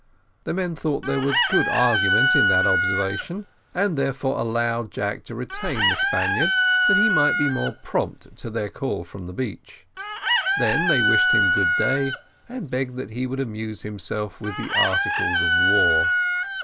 The men thought there was good argument in that observation, and therefore allowed Jack to retain the Spaniard, that he might be more prompt to their call from the beach: they then wished him good day, and begged that he would amuse himself with the "articles of war."